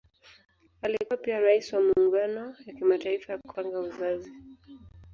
Alikuwa pia Rais wa Muungano ya Kimataifa ya Kupanga Uzazi.